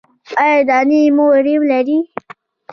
ایا دانې مو ریم لري؟